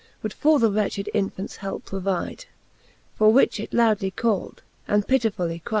Would for the wretched infants helpe provyde, For which it loudly cald, and pittifully cryde.